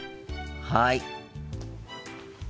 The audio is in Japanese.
はい。